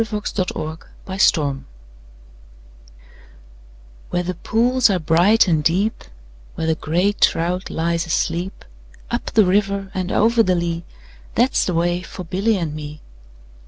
A Boy's Song WHERE the pools are bright and deep, Where the grey trout lies asleep, Up the river and over the lea, That 's the way for Billy and me.